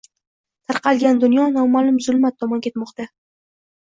Tarqalgan dunyo noma'lum zulmat tomon ketmoqda